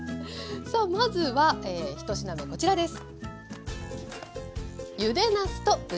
さあまずは１品目こちらです。